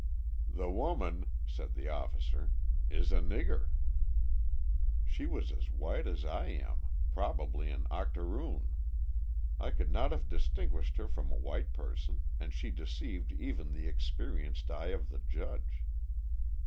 "The woman," said the officer, "is a nigger." She was as white as I am, probably an octoroon; I could not have distinguished her from a white person, and she deceived even the experienced eye of the judge.